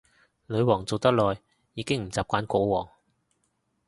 女皇做得耐，已經唔慣國王